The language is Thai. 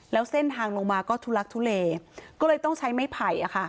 แล้วเส้นทางลงมาก็ทุลักทุเลก็เลยต้องใช้ไม้ไผ่